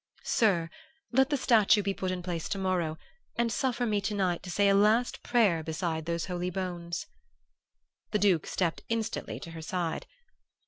"'Sir, let the statue be put in place to morrow, and suffer me, to night, to say a last prayer beside those holy bones.' "The Duke stepped instantly to her side.